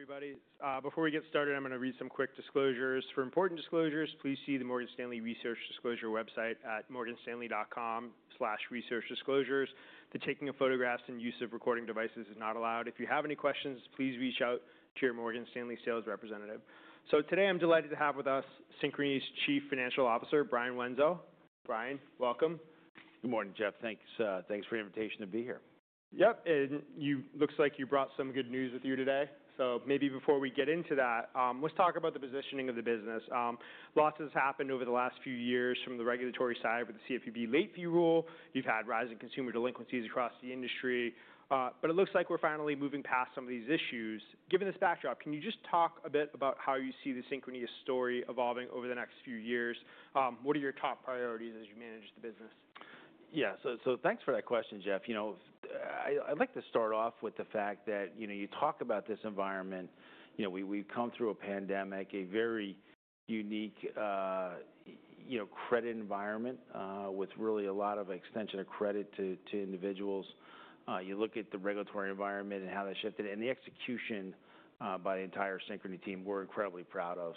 All right, everybody. Before we get started, I'm going to read some quick disclosures. For important disclosures, please see the Morgan Stanley Research Disclosure website at morganstanley.com/researchdisclosures. The taking of photographs and use of recording devices is not allowed. If you have any questions, please reach out to your Morgan Stanley sales representative. Today I'm delighted to have with us Synchrony's Chief Financial Officer, Brian Wenzel. Brian, welcome. Good morning, Jeff. Thanks for the invitation to be here. Yep, and it looks like you brought some good news with you today. Maybe before we get into that, let's talk about the positioning of the business. Lots has happened over the last few years from the regulatory side with the CFPB late fee rule. You've had rising consumer delinquencies across the industry, but it looks like we're finally moving past some of these issues. Given this backdrop, can you just talk a bit about how you see the Synchrony story evolving over the next few years? What are your top priorities as you manage the business? Yeah, so thanks for that question, Jeff. You know, I'd like to start off with the fact that, you know, you talk about this environment. You know, we've come through a pandemic, a very unique, you know, credit environment, with really a lot of extension of credit to individuals. You look at the regulatory environment and how that shifted and the execution by the entire Synchrony team, we're incredibly proud of.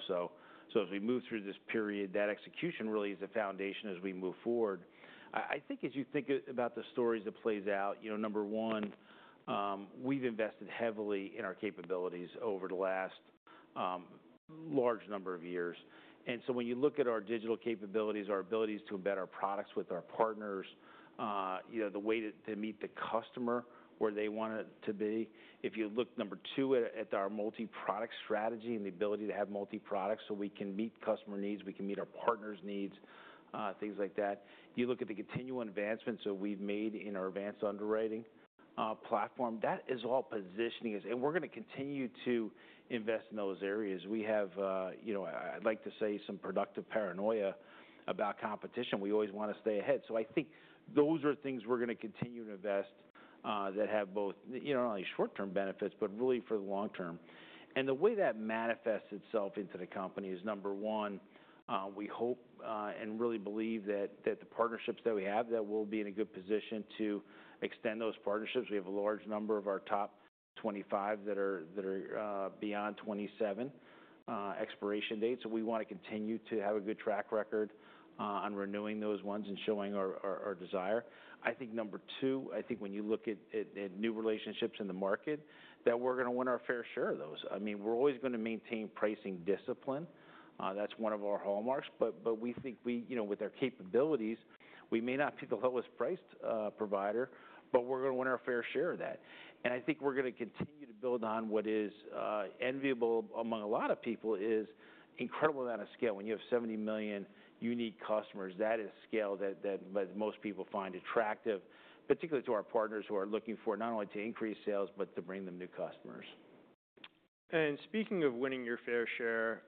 As we move through this period, that execution really is the foundation as we move forward. I think as you think about the stories that play out, number one, we've invested heavily in our capabilities over the last large number of years. When you look at our digital capabilities, our abilities to embed our products with our partners, you know, the way to meet the customer where they want it to be. If you look, number two, at our multi-product strategy and the ability to have multi-products so we can meet customer needs, we can meet our partners' needs, things like that. You look at the continual advancements that we have made in our advanced underwriting platform, that is all positioning us. We are going to continue to invest in those areas. We have, you know, I like to say some productive paranoia about competition. We always want to stay ahead. I think those are things we are going to continue to invest, that have both, you know, not only short-term benefits but really for the long term. The way that manifests itself into the company is, number one, we hope, and really believe that the partnerships that we have, that we'll be in a good position to extend those partnerships. We have a large number of our top 25 that are beyond 2027 expiration date. We want to continue to have a good track record on renewing those ones and showing our desire. I think number two, when you look at new relationships in the market, we're going to win our fair share of those. I mean, we're always going to maintain pricing discipline. That's one of our hallmarks. We think with our capabilities, we may not be the lowest priced provider, but we're going to win our fair share of that. I think we're going to continue to build on what is enviable among a lot of people, this incredible amount of scale. When you have 70 million unique customers, that is scale that most people find attractive, particularly to our partners who are looking for not only to increase sales but to bring them new customers. Speaking of winning your fair share,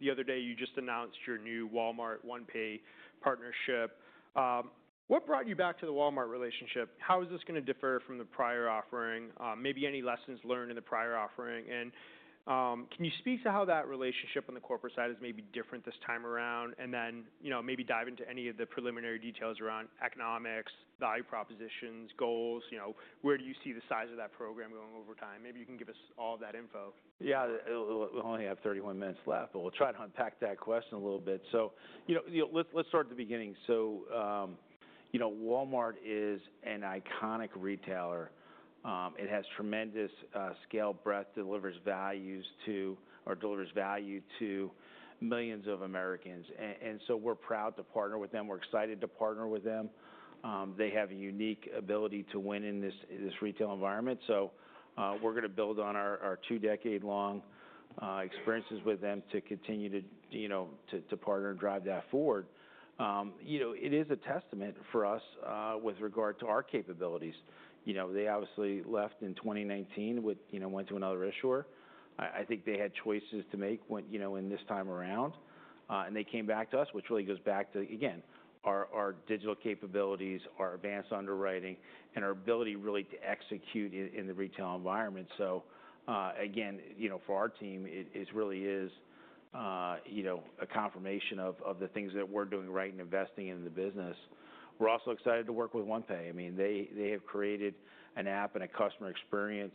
the other day you just announced your new Walmart OnePay partnership. What brought you back to the Walmart relationship? How is this going to differ from the prior offering? Maybe any lessons learned in the prior offering? Can you speak to how that relationship on the corporate side is maybe different this time around? You know, maybe dive into any of the preliminary details around economics, value propositions, goals, where do you see the size of that program going over time? Maybe you can give us all of that info. Yeah, I only have 31 minutes left, but we'll try to unpack that question a little bit. You know, let's start at the beginning. You know, Walmart is an iconic retailer. It has tremendous scale, breadth, delivers value to millions of Americans. We are proud to partner with them. We are excited to partner with them. They have a unique ability to win in this retail environment. We are going to build on our two-decade-long experiences with them to continue to partner and drive that forward. It is a testament for us with regard to our capabilities. They obviously left in 2019, went to another issuer. I think they had choices to make this time around. and they came back to us, which really goes back to, again, our digital capabilities, our advanced underwriting, and our ability really to execute in the retail environment. So, again, you know, for our team, it really is, you know, a confirmation of the things that we're doing right and investing in the business. We're also excited to work with OnePay. I mean, they have created an app and a customer experience,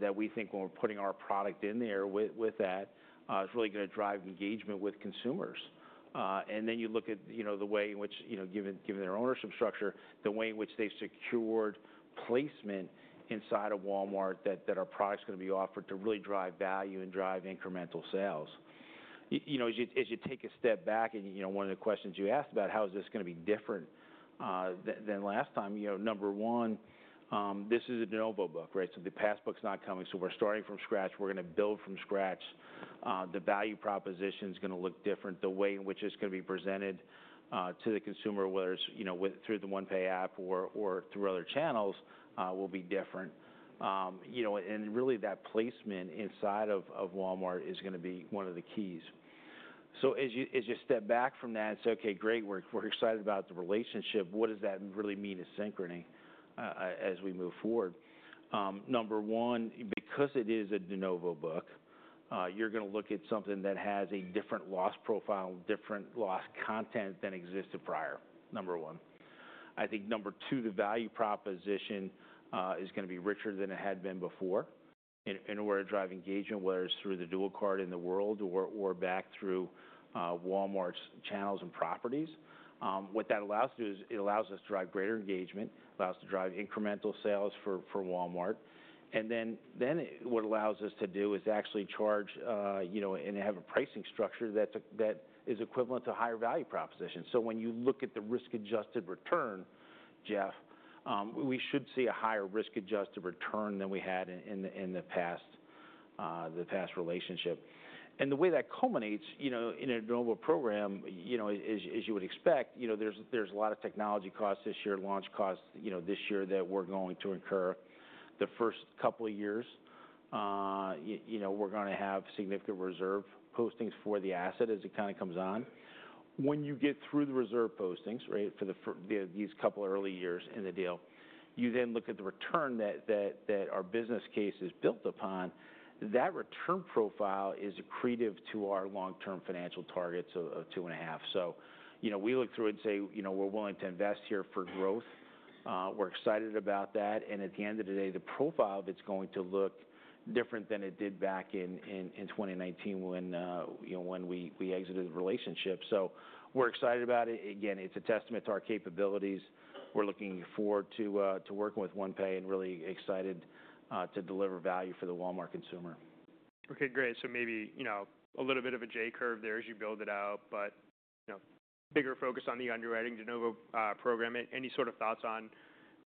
that we think when we're putting our product in there with that, it's really going to drive engagement with consumers. and then you look at, you know, the way in which, you know, given their ownership structure, the way in which they've secured placement inside of Walmart that our product's going to be offered to really drive value and drive incremental sales. You know, as you take a step back and, you know, one of the questions you asked about, how is this going to be different than last time? You know, number one, this is a de novo book, right? So the past book's not coming. So we're starting from scratch. We're going to build from scratch. The value proposition's going to look different. The way in which it's going to be presented to the consumer, whether it's, you know, through the OnePay app or through other channels, will be different. You know, and really that placement inside of Walmart is going to be one of the keys. As you step back from that and say, "Okay, great, we're excited about the relationship," what does that really mean to Synchrony, as we move forward? Number one, because it is a de novo book, you're going to look at something that has a different loss profile, different loss content than existed prior. Number one. I think number two, the value proposition is going to be richer than it had been before. And we're going to drive engagement, whether it's through the dual card in the world or back through Walmart's channels and properties. What that allows us to do is it allows us to drive greater engagement, allows us to drive incremental sales for Walmart. Then what it allows us to do is actually charge, you know, and have a pricing structure that is equivalent to higher value proposition. When you look at the risk-adjusted return, Jeff, we should see a higher risk-adjusted return than we had in the past, the past relationship. The way that culminates, you know, in a de novo program, you know, as you would expect, you know, there's a lot of technology costs this year, launch costs, you know, this year that we're going to incur. The first couple of years, you know, we're going to have significant reserve postings for the asset as it kind of comes on. When you get through the reserve postings, right, for these couple of early years in the deal, you then look at the return that our business case is built upon. That return profile is accretive to our long-term financial targets of two and a half. You know, we look through it and say, you know, we're willing to invest here for growth. We're excited about that. At the end of the day, the profile of it's going to look different than it did back in 2019 when, you know, when we exited the relationship. We're excited about it. Again, it's a testament to our capabilities. We're looking forward to working with OnePay and really excited to deliver value for the Walmart consumer. Okay, great. Maybe, you know, a little bit of a J curve there as you build it out, but, you know, bigger focus on the underwriting de novo program. Any sort of thoughts on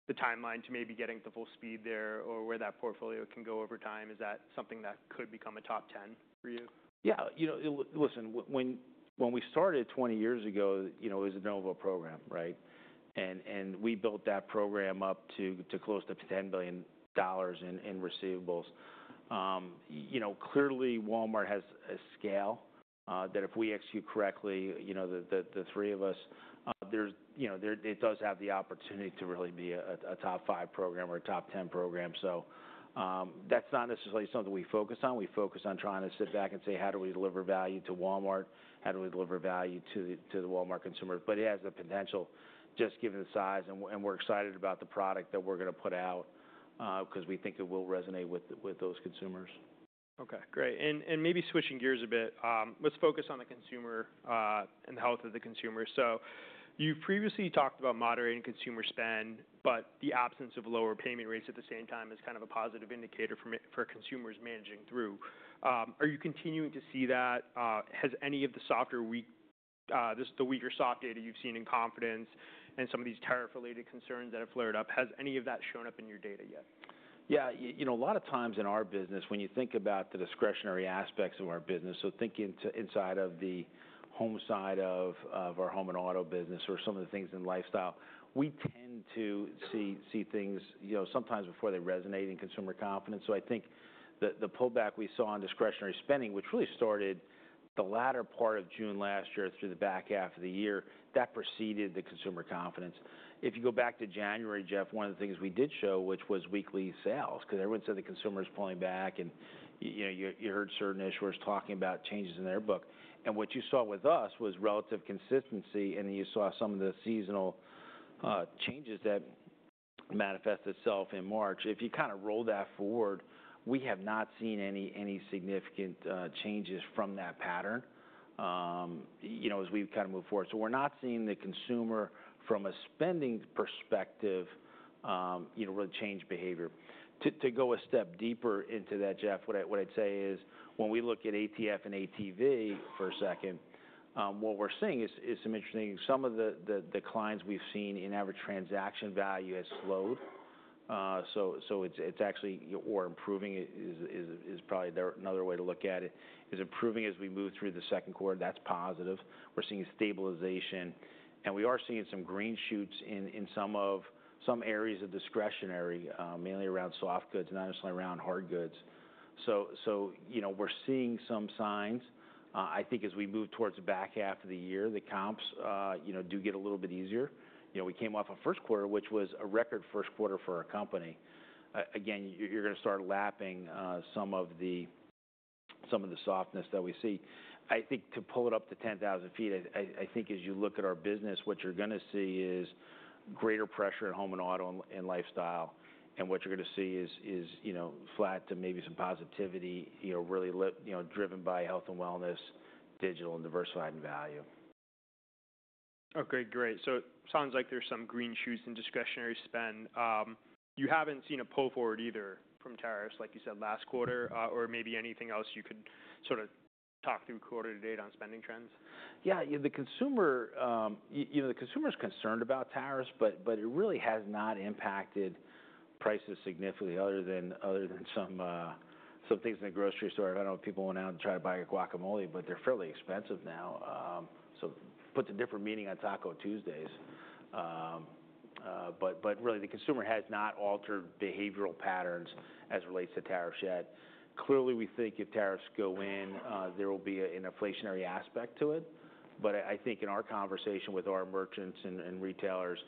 the timeline to maybe getting to full speed there or where that portfolio can go over time? Is that something that could become a top 10 for you? Yeah, you know, listen, when we started 20 years ago, you know, it was a de novo program, right? And we built that program up to close to $10 billion in receivables. You know, clearly Walmart has a scale that if we execute correctly, you know, the three of us, there's, you know, there it does have the opportunity to really be a top five program or a top 10 program. That's not necessarily something we focus on. We focus on trying to sit back and say, how do we deliver value to Walmart? How do we deliver value to the Walmart consumer? It has the potential just given the size. We're excited about the product that we're going to put out, because we think it will resonate with those consumers. Okay, great. Maybe switching gears a bit, let's focus on the consumer, and the health of the consumer. You've previously talked about moderating consumer spend, but the absence of lower payment rates at the same time is kind of a positive indicator for consumers managing through. Are you continuing to see that? Has any of the softer, the weaker soft data you've seen in confidence and some of these tariff-related concerns that have flared up, has any of that shown up in your data yet? Yeah, you know, a lot of times in our business, when you think about the discretionary aspects of our business, so thinking to inside of the home side of, of our home and auto business or some of the things in lifestyle, we tend to see things, you know, sometimes before they resonate in consumer confidence. I think the pullback we saw on discretionary spending, which really started the latter part of June last year through the back half of the year, that preceded the consumer confidence. If you go back to January, Jeff, one of the things we did show, which was weekly sales, because everyone said the consumer is pulling back and, you know, you heard certain issuers talking about changes in their book. What you saw with us was relative consistency, and then you saw some of the seasonal changes that manifested itself in March. If you kind of roll that forward, we have not seen any significant changes from that pattern as we've kind of moved forward. We're not seeing the consumer from a spending perspective really change behavior. To go a step deeper into that, Jeff, what I'd say is when we look at ATF and ATV for a second, what we're seeing is some interesting—some of the clients we've seen in average transaction value has slowed. It's actually improving, is probably another way to look at it, is improving as we move through the second quarter. That's positive. We're seeing stabilization and we are seeing some green shoots in some areas of discretionary, mainly around soft goods, not necessarily around hard goods. You know, we're seeing some signs. I think as we move towards the back half of the year, the comps do get a little bit easier. You know, we came off a first quarter, which was a record first quarter for our company. Again, you're going to start lapping some of the softness that we see. I think to pull it up to 10,000 ft, I think as you look at our business, what you're going to see is greater pressure in home and auto and lifestyle. What you're going to see is, you know, flat to maybe some positivity, you know, really, you know, driven by health and wellness, digital and diversified in value. Okay, great. So it sounds like there's some green shoots in discretionary spend. You haven't seen a pull forward either from tariffs, like you said last quarter, or maybe anything else you could sort of talk through quarter to date on spending trends? Yeah, you know, the consumer, you know, the consumer's concerned about tariffs, but it really has not impacted prices significantly other than some things in the grocery store. I don't know if people went out and tried to buy a guacamole, but they're fairly expensive now. So puts a different meaning on Taco Tuesdays. But really the consumer has not altered behavioral patterns as it relates to tariffs yet. Clearly, we think if tariffs go in, there will be an inflationary aspect to it. But I think in our conversation with our merchants and retailers,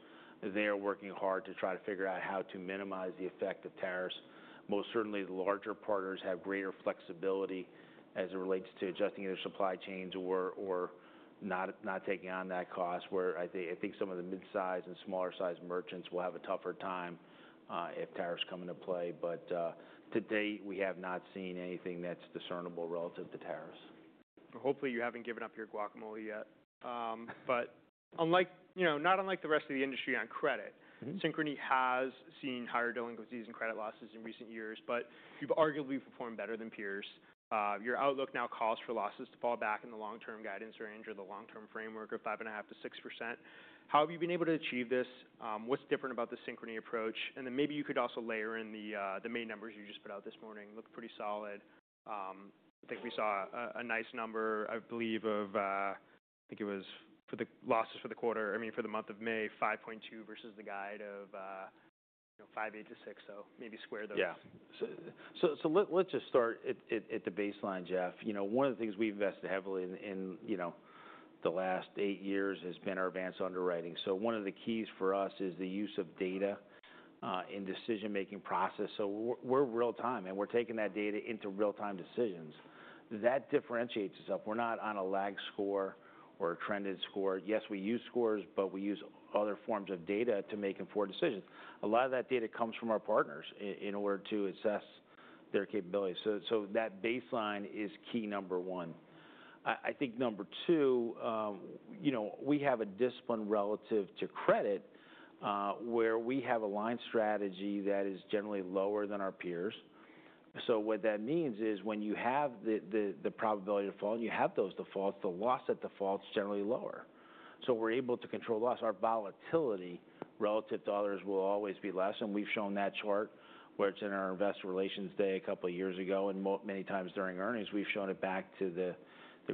they're working hard to try to figure out how to minimize the effect of tariffs. Most certainly, the larger partners have greater flexibility as it relates to adjusting their supply chains or not taking on that cost where I think some of the mid-size and smaller-sized merchants will have a tougher time, if tariffs come into play. To date, we have not seen anything that's discernible relative to tariffs. Hopefully you haven't given up your guacamole yet. But unlike, you know, not unlike the rest of the industry on credit, Synchrony has seen higher delinquencies and credit losses in recent years, but you've arguably performed better than peers. Your outlook now calls for losses to fall back in the long-term guidance range or the long-term framework of 5.5%-6%. How have you been able to achieve this? What's different about the Synchrony approach? And then maybe you could also layer in the main numbers you just put out this morning. Looked pretty solid. I think we saw a nice number, I believe, of, I think it was for the losses for the quarter, I mean, for the month of May, 5.2% versus the guide of, you know, 5.8%-6%. So maybe square those. Yeah. Let's just start at the baseline, Jeff. You know, one of the things we've invested heavily in, in the last eight years has been our advanced underwriting. One of the keys for us is the use of data in decision-making process. We're real-time and we're taking that data into real-time decisions. That differentiates itself. We're not on a lag score or a trended score. Yes, we use scores, but we use other forms of data to make informed decisions. A lot of that data comes from our partners in order to assess their capability. That baseline is key number one. I think number two, you know, we have a discipline relative to credit, where we have a line strategy that is generally lower than our peers. What that means is when you have the probability of default, you have those defaults, the loss at default is generally lower. We're able to control loss. Our volatility relative to others will always be less. We've shown that chart where it's in our investor relations day a couple of years ago. Many times during earnings, we've shown it back to the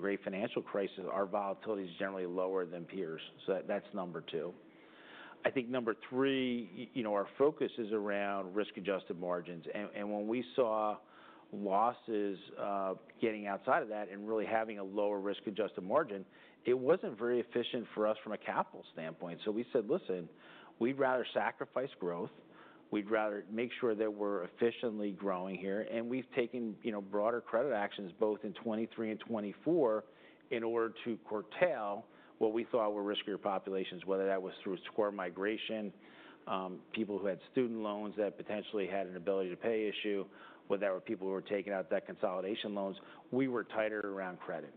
great financial crisis. Our volatility is generally lower than peers. That's number two. I think number three, you know, our focus is around risk-adjusted margins. When we saw losses getting outside of that and really having a lower risk-adjusted margin, it wasn't very efficient for us from a capital standpoint. We said, "Listen, we'd rather sacrifice growth. We'd rather make sure that we're efficiently growing here. We've taken, you know, broader credit actions both in 2023 and 2024 in order to curtail what we thought were riskier populations, whether that was through square migration, people who had student loans that potentially had an ability to pay issue, whether that were people who were taking out that consolidation loans. We were tighter around credit.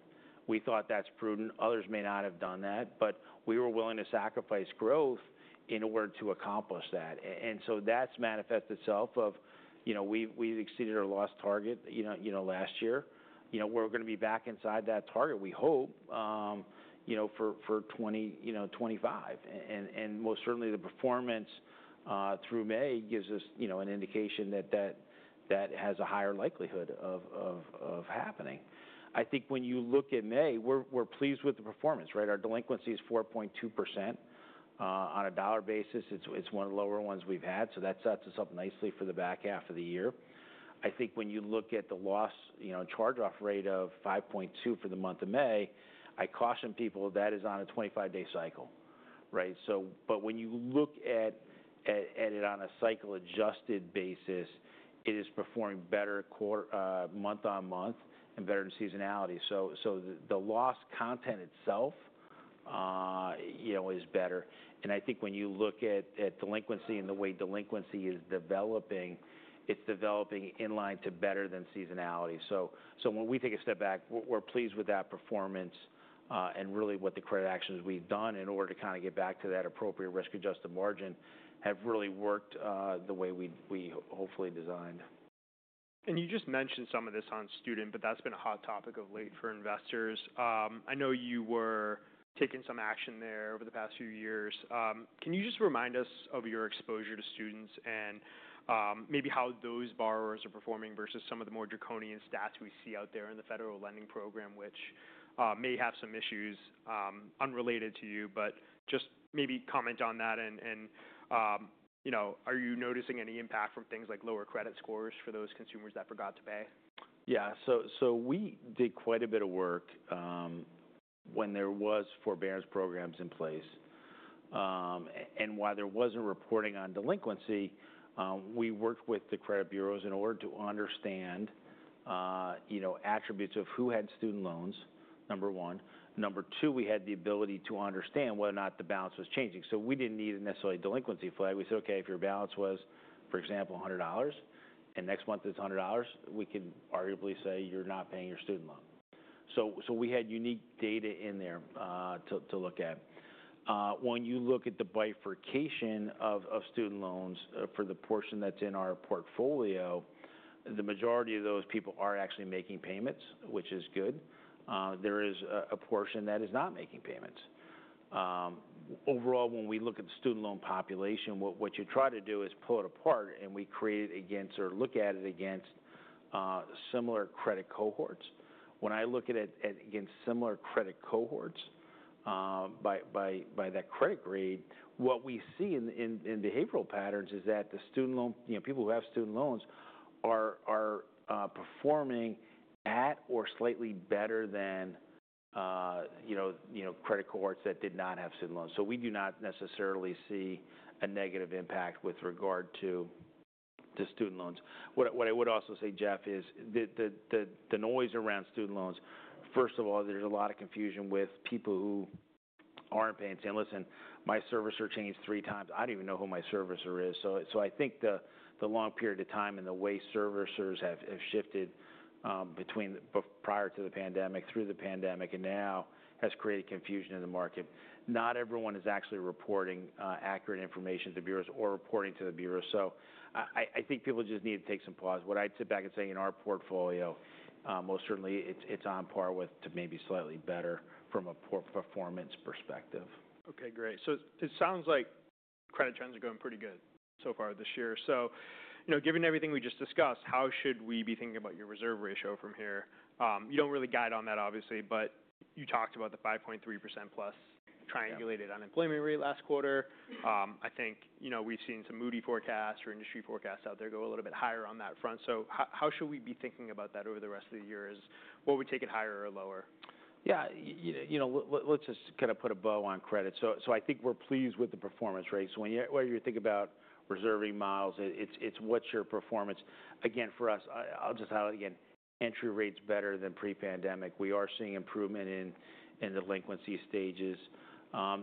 We thought that's prudent. Others may not have done that, but we were willing to sacrifice growth in order to accomplish that. That's manifested itself of, you know, we've exceeded our loss target, you know, last year. You know, we're going to be back inside that target, we hope, you know, for 2025. Most certainly the performance through May gives us, you know, an indication that that has a higher likelihood of happening. I think when you look at May, we're pleased with the performance, right? Our delinquency is 4.2% on a dollar basis. It's one of the lower ones we've had. That sets us up nicely for the back half of the year. I think when you look at the loss, you know, charge-off rate of 5.2% for the month of May, I caution people that is on a 25-day cycle, right? When you look at it on a cycle-adjusted basis, it is performing better quarter, month on month and better in seasonality. The loss content itself, you know, is better. I think when you look at delinquency and the way delinquency is developing, it's developing in line to better than seasonality. When we take a step back, we're pleased with that performance, and really what the credit actions we've done in order to kind of get back to that appropriate risk-adjusted margin have really worked, the way we hopefully designed. You just mentioned some of this on student, but that's been a hot topic of late for investors. I know you were taking some action there over the past few years. Can you just remind us of your exposure to students and maybe how those borrowers are performing versus some of the more draconian stats we see out there in the federal lending program, which may have some issues unrelated to you, but just maybe comment on that and, you know, are you noticing any impact from things like lower credit scores for those consumers that forgot to pay? Yeah, so we did quite a bit of work, when there was forbearance programs in place. And while there wasn't reporting on delinquency, we worked with the credit bureaus in order to understand, you know, attributes of who had student loans, number one. Number two, we had the ability to understand whether or not the balance was changing. So we didn't need necessarily delinquency flag. We said, "Okay, if your balance was, for example, $100 and next month it's $100, we can arguably say you're not paying your student loan." So we had unique data in there, to look at. When you look at the bifurcation of student loans, for the portion that's in our portfolio, the majority of those people are actually making payments, which is good. There is a portion that is not making payments. Overall, when we look at the student loan population, what you try to do is pull it apart and we create it against or look at it against similar credit cohorts. When I look at it against similar credit cohorts, by that credit grade, what we see in behavioral patterns is that the student loan, you know, people who have student loans are performing at or slightly better than, you know, credit cohorts that did not have student loans. We do not necessarily see a negative impact with regard to student loans. What I would also say, Jeff, is the noise around student loans, first of all, there's a lot of confusion with people who aren't paying and saying, "Listen, my servicer changed three times. I don't even know who my servicer is. I think the long period of time and the way servicers have shifted, between prior to the pandemic, through the pandemic, and now has created confusion in the market. Not everyone is actually reporting accurate information to the bureaus or reporting to the bureaus. I think people just need to take some pause. What I'd sit back and say in our portfolio, most certainly it's on par with to maybe slightly better from a performance perspective. Okay, great. It sounds like credit trends are going pretty good so far this year. You know, given everything we just discussed, how should we be thinking about your reserve ratio from here? You don't really guide on that, obviously, but you talked about the 5.3%+ triangulated unemployment rate last quarter. I think, you know, we've seen some Moody forecasts or industry forecasts out there go a little bit higher on that front. How should we be thinking about that over the rest of the year? What would take it higher or lower? Yeah, you know, let's just kind of put a bow on credit. I think we're pleased with the performance rates. Whether you're thinking about reserving miles, it's what's your performance. Again, for us, I'll just highlight again, entry rate's better than pre-pandemic. We are seeing improvement in delinquency stages.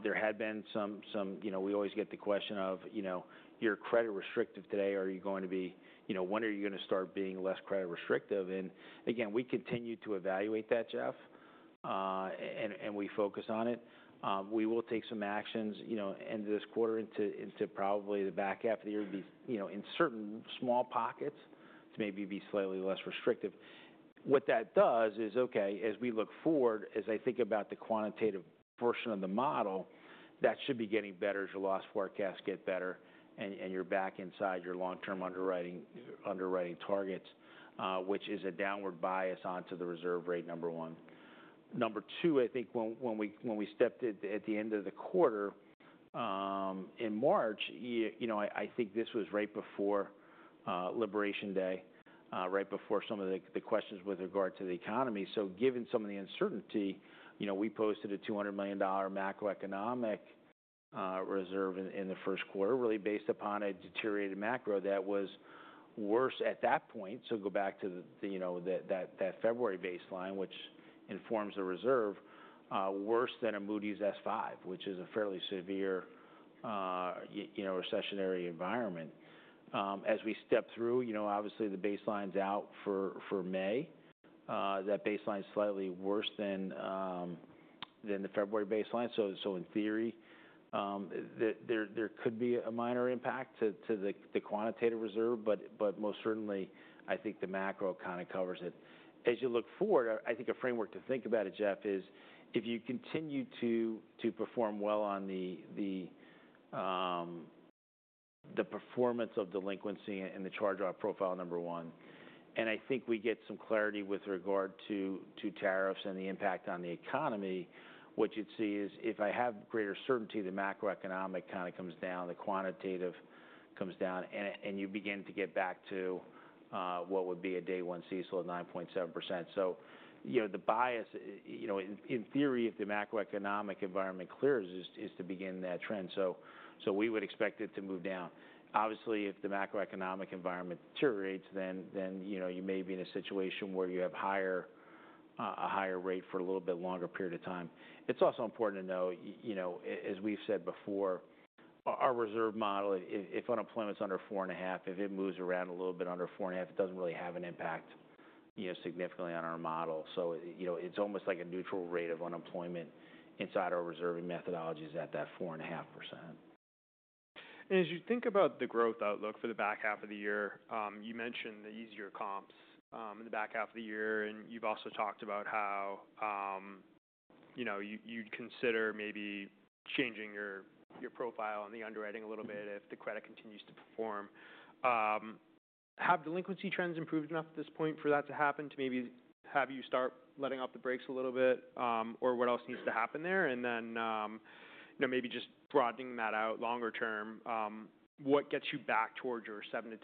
There had been some, you know, we always get the question of, you know, you're credit restrictive today. Are you going to be, you know, when are you going to start being less credit restrictive? Again, we continue to evaluate that, Jeff, and we focus on it. We will take some actions into this quarter, into probably the back half of the year to be, you know, in certain small pockets to maybe be slightly less restrictive. What that does is, okay, as we look forward, as I think about the quantitative portion of the model, that should be getting better as your loss forecasts get better and you're back inside your long-term underwriting targets, which is a downward bias onto the reserve rate, number one. Number two, I think when we stepped at the end of the quarter, in March, you know, I think this was right before Liberation Day, right before some of the questions with regard to the economy. Given some of the uncertainty, you know, we posted a $200 million macroeconomic reserve in the first quarter, really based upon a deteriorated macro that was worse at that point. Go back to the, you know, that February baseline, which informs the reserve, worse than a Moody's S5, which is a fairly severe, you know, recessionary environment. As we step through, you know, obviously the baseline's out for May. That baseline's slightly worse than the February baseline. In theory, there could be a minor impact to the quantitative reserve, but most certainly I think the macro kind of covers it. As you look forward, I think a framework to think about it, Jeff, is if you continue to perform well on the performance of delinquency and the charge-off profile, number one. I think we get some clarity with regard to tariffs and the impact on the economy. What you'd see is if I have greater certainty, the macroeconomic kind of comes down, the quantitative comes down, and you begin to get back to what would be a day one CSL of 9.7%. You know, the bias, you know, in theory, if the macroeconomic environment clears, is to begin that trend. We would expect it to move down. Obviously, if the macroeconomic environment deteriorates, then, you know, you may be in a situation where you have a higher rate for a little bit longer period of time. It's also important to know, you know, as we've said before, our reserve model, if unemployment's under 4.5%, if it moves around a little bit under 4.5%, it doesn't really have an impact, you know, significantly on our model. You know, it's almost like a neutral rate of unemployment inside our reserving methodology is at that 4.5%. As you think about the growth outlook for the back half of the year, you mentioned the easier comps in the back half of the year. You have also talked about how, you know, you would consider maybe changing your profile on the underwriting a little bit if the credit continues to perform. Have delinquency trends improved enough at this point for that to happen to maybe have you start letting off the brakes a little bit, or what else needs to happen there? You know, maybe just broadening that out longer term, what gets you back towards your 7-10%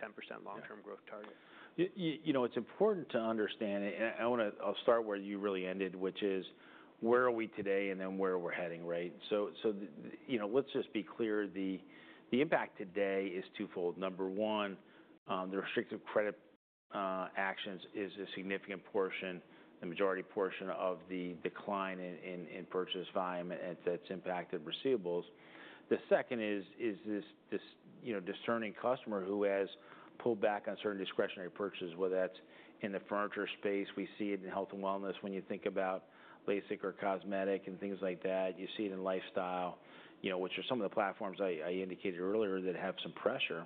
long-term growth target? Yeah, you know, it's important to understand it. I want to, I'll start where you really ended, which is where are we today and then where we're heading, right? Let's just be clear. The impact today is twofold. Number one, the restrictive credit actions is a significant portion, the majority portion of the decline in purchase volume that's impacted receivables. The second is this discerning customer who has pulled back on certain discretionary purchases, whether that's in the furniture space. We see it in health and wellness. When you think about Lasik or cosmetic and things like that, you see it in lifestyle, which are some of the platforms I indicated earlier that have some pressure.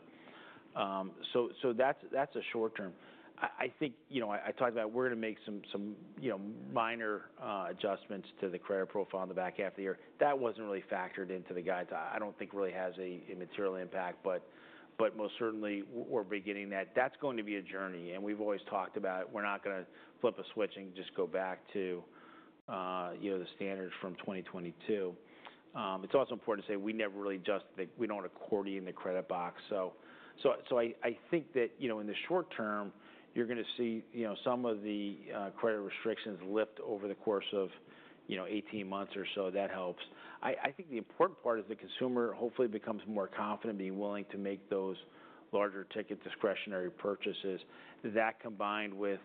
That's a short term. I think, you know, I talked about we're going to make some, you know, minor adjustments to the credit profile in the back half of the year. That wasn't really factored into the guides. I don't think really has a material impact, but most certainly we're beginning that. That's going to be a journey. We've always talked about we're not going to flip a switch and just go back to, you know, the standards from 2022. It's also important to say we never really justify, we don't accordion the credit box. I think that, you know, in the short term, you're going to see, you know, some of the credit restrictions lift over the course of, you know, 18 months or so. That helps. I think the important part is the consumer hopefully becomes more confident, being willing to make those larger ticket discretionary purchases. That combined with,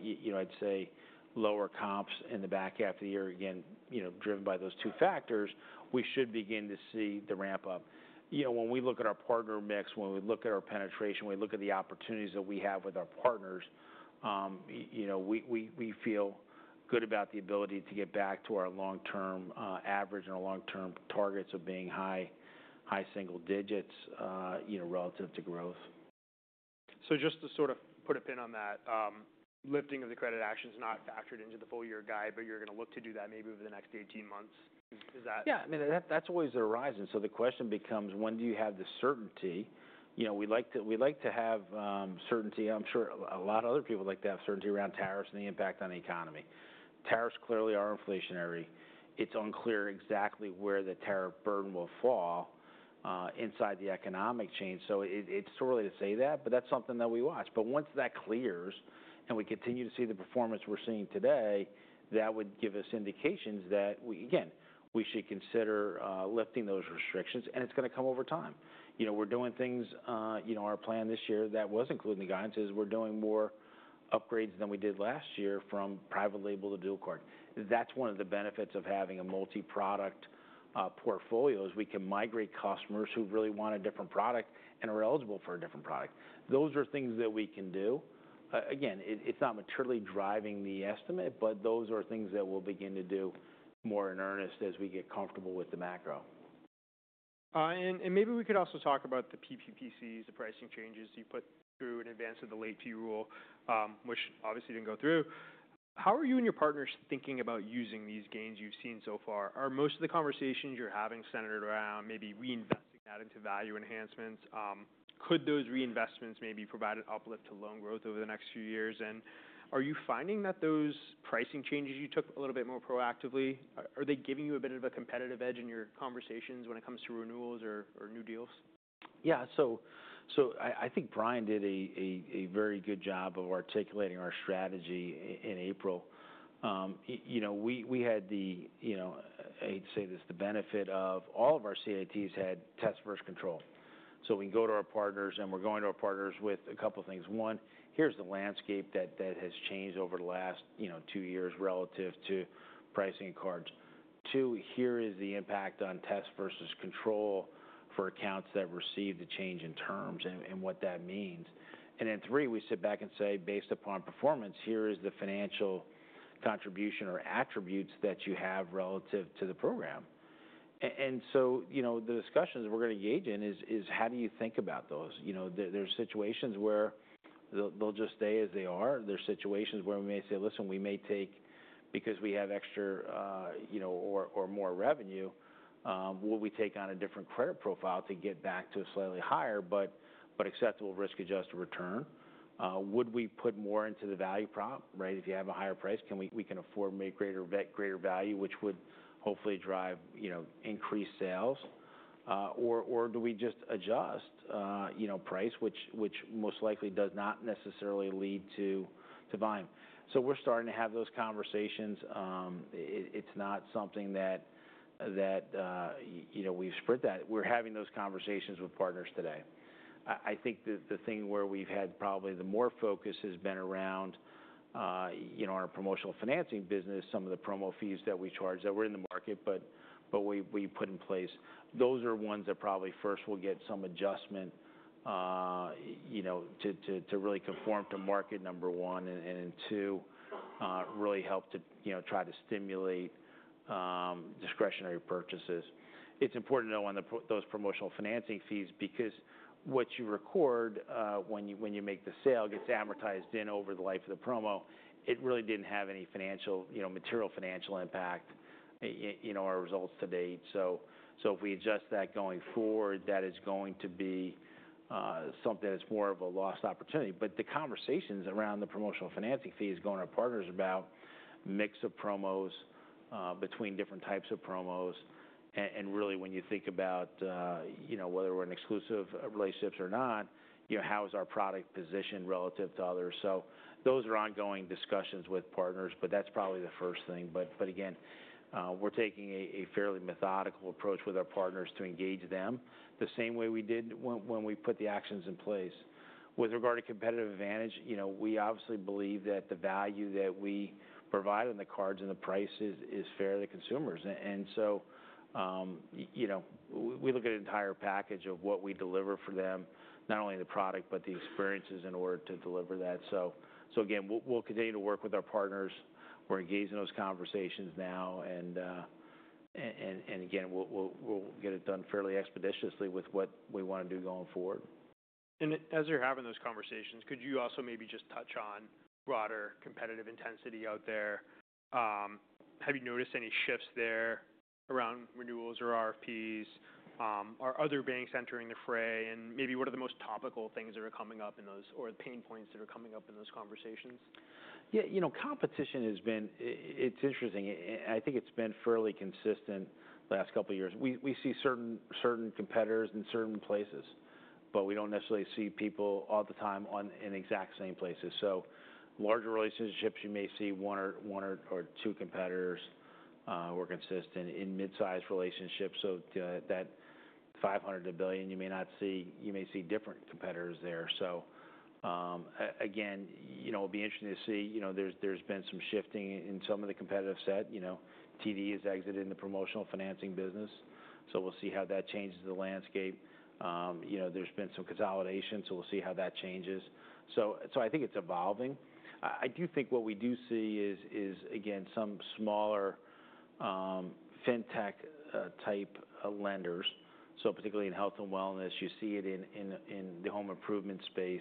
you know, I'd say lower comps in the back half of the year, again, you know, driven by those two factors, we should begin to see the ramp up. You know, when we look at our partner mix, when we look at our penetration, we look at the opportunities that we have with our partners, you know, we feel good about the ability to get back to our long-term average and our long-term targets of being high single digits, you know, relative to growth. Just to sort of put a pin on that, lifting of the credit actions not factored into the full year guide, but you're going to look to do that maybe over the next 18 months. Is that? Yeah, I mean, that, that's always arising. The question becomes, when do you have the certainty? You know, we like to, we like to have certainty. I'm sure a lot of other people like to have certainty around tariffs and the impact on the economy. Tariffs clearly are inflationary. It's unclear exactly where the tariff burden will fall, inside the economic chain. It, it's too early to say that, but that's something that we watch. Once that clears and we continue to see the performance we're seeing today, that would give us indications that we, again, we should consider lifting those restrictions. It's going to come over time. You know, we're doing things, you know, our plan this year that was including the guidance is we're doing more upgrades than we did last year from private label to dual card. That's one of the benefits of having a multi-product portfolio is we can migrate customers who really want a different product and are eligible for a different product. Those are things that we can do. Again, it is not materially driving the estimate, but those are things that we'll begin to do more in earnest as we get comfortable with the macro. And maybe we could also talk about the PPPCs, the pricing changes you put through in advance of the late fee rule, which obviously did not go through. How are you and your partners thinking about using these gains you have seen so far? Are most of the conversations you are having centered around maybe reinvesting that into value enhancements? Could those reinvestments maybe provide an uplift to loan growth over the next few years? Are you finding that those pricing changes you took a little bit more proactively, are they giving you a bit of a competitive edge in your conversations when it comes to renewals or new deals? Yeah, so I think Brian did a very good job of articulating our strategy in April. You know, we had the, you know, I hate to say this, the benefit of all of our CATs had test versus control. So we can go to our partners and we're going to our partners with a couple of things. One, here's the landscape that has changed over the last two years relative to pricing and cards. Two, here is the impact on test versus control for accounts that received the change in terms and what that means. Three, we sit back and say, based upon performance, here is the financial contribution or attributes that you have relative to the program. You know, the discussions we're going to engage in is, is how do you think about those? You know, there are situations where they'll just stay as they are. There are situations where we may say, listen, we may take, because we have extra, you know, or more revenue, will we take on a different credit profile to get back to a slightly higher, but acceptable risk-adjusted return? Would we put more into the value prop, right? If you have a higher price, we can afford to make greater, greater value, which would hopefully drive, you know, increased sales? Or do we just adjust, you know, price, which most likely does not necessarily lead to volume? We are starting to have those conversations. It is not something that, you know, we have spread. We are having those conversations with partners today. I think the thing where we've had probably more focus has been around, you know, our promotional financing business, some of the promo fees that we charge that are in the market, but we put in place. Those are ones that probably first will get some adjustment, you know, to really conform to market, number one, and two, really help to, you know, try to stimulate discretionary purchases. It's important to know on those promotional financing fees because what you record, when you make the sale, gets amortized in over the life of the promo, it really didn't have any financial, you know, material financial impact, you know, our results to date. If we adjust that going forward, that is going to be something that's more of a lost opportunity. The conversations around the promotional financing fees going to our partners about mix of promos, between different types of promos, and, and really when you think about, you know, whether we're in exclusive relationships or not, you know, how is our product positioned relative to others? Those are ongoing discussions with partners, but that's probably the first thing. Again, we're taking a fairly methodical approach with our partners to engage them the same way we did when we put the actions in place. With regard to competitive advantage, you know, we obviously believe that the value that we provide on the cards and the prices is fair to the consumers. You know, we look at an entire package of what we deliver for them, not only the product, but the experiences in order to deliver that. We'll continue to work with our partners. We're engaged in those conversations now. Again, we'll get it done fairly expeditiously with what we want to do going forward. As you're having those conversations, could you also maybe just touch on broader competitive intensity out there? Have you noticed any shifts there around renewals or RFPs? Are other banks entering the fray? What are the most topical things that are coming up in those or the pain points that are coming up in those conversations? Yeah, you know, competition has been, it's interesting. I think it's been fairly consistent the last couple of years. We see certain competitors in certain places, but we don't necessarily see people all the time in exact same places. Larger relationships, you may see one or two competitors who are consistent in mid-sized relationships. So that $500 million to $1 billion, you may see different competitors there. Again, you know, it'll be interesting to see, you know, there's been some shifting in some of the competitive set. You know, TD has exited in the promotional financing business. We'll see how that changes the landscape. You know, there's been some consolidation, so we'll see how that changes. I think it's evolving. I do think what we do see is, again, some smaller fintech-type lenders. Particularly in health and wellness, you see it in the home improvement space,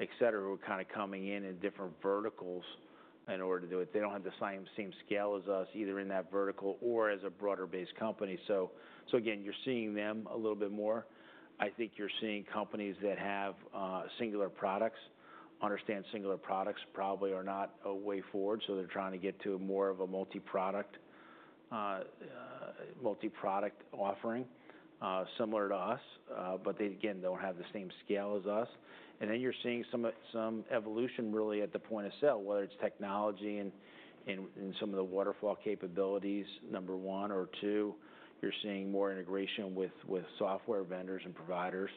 etc., who are kind of coming in in different verticals in order to do it. They do not have the same scale as us either in that vertical or as a broader-based company. Again, you are seeing them a little bit more. I think you are seeing companies that have singular products, understand singular products probably are not a way forward. So they are trying to get to more of a multi-product offering, similar to us, but they again do not have the same scale as us. Then you are seeing some evolution really at the point of sale, whether it is technology and some of the waterfall capabilities, number one or two. You are seeing more integration with software vendors and providers.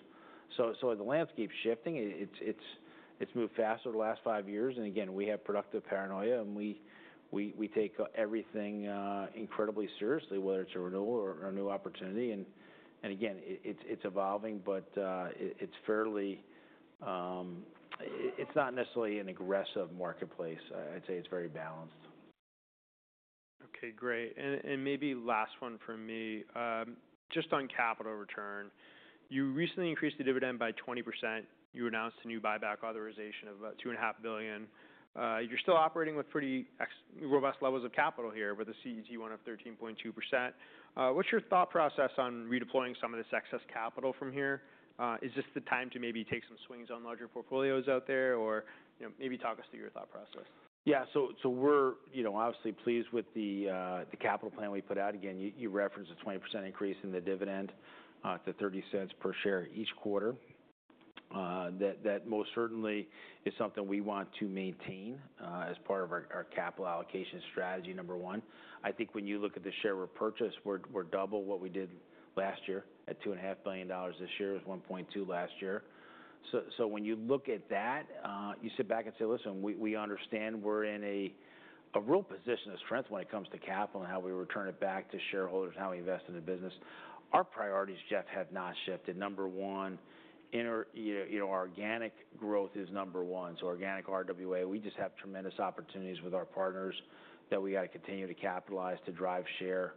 The landscape is shifting. It's moved faster the last five years. Again, we have productive paranoia and we take everything incredibly seriously, whether it's a renewal or a new opportunity. Again, it's evolving, but it's fairly, it's not necessarily an aggressive marketplace. I'd say it's very balanced. Okay, great. Maybe last one for me, just on capital return. You recently increased the dividend by 20%. You announced a new buyback authorization of about $2.5 billion. You're still operating with pretty robust levels of capital here, but the CET went up 13.2%. What's your thought process on redeploying some of this excess capital from here? Is this the time to maybe take some swings on larger portfolios out there or, you know, maybe talk us through your thought process? Yeah, so we're, you know, obviously pleased with the capital plan we put out. Again, you referenced a 20% increase in the dividend, to $0.30 per share each quarter. That most certainly is something we want to maintain as part of our capital allocation strategy, number one. I think when you look at the share repurchase, we're double what we did last year at $2.5 billion. This year is $1.2 billion last year. When you look at that, you sit back and say, listen, we understand we're in a real position of strength when it comes to capital and how we return it back to shareholders and how we invest in the business. Our priorities, Jeff, have not shifted. Number one, inner, you know, organic growth is number one. Organic RWA, we just have tremendous opportunities with our partners that we got to continue to capitalize to drive share,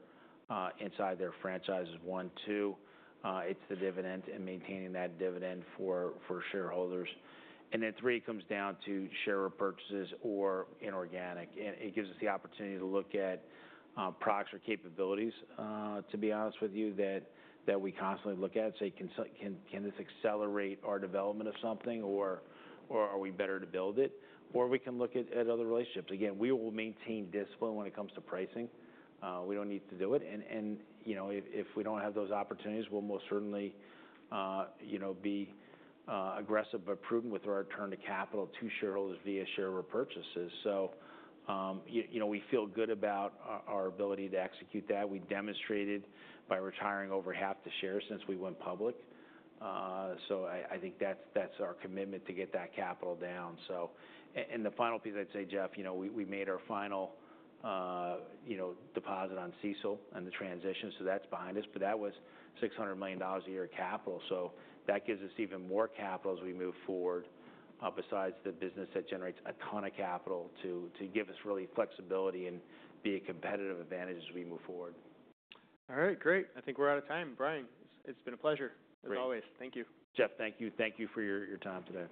inside their franchises. One, two, it's the dividend and maintaining that dividend for shareholders. And then three comes down to share repurchases or inorganic. It gives us the opportunity to look at procs or capabilities, to be honest with you, that we constantly look at and say, can this accelerate our development of something or are we better to build it? Or we can look at other relationships. Again, we will maintain discipline when it comes to pricing. We do not need to do it. If we do not have those opportunities, we will most certainly be aggressive but prudent with our return to capital to shareholders via share repurchases. You know, we feel good about our ability to execute that. We demonstrated by retiring over half the shares since we went public. I think that's our commitment to get that capital down. The final piece I'd say, Jeff, you know, we made our final deposit on CSL and the transition. That's behind us, but that was $600 million a year of capital. That gives us even more capital as we move forward, besides the business that generates a ton of capital to give us really flexibility and be a competitive advantage as we move forward. All right, great. I think we're out of time. Brian, it's been a pleasure as always. Thank you. Jeff, thank you. Thank you for your time today.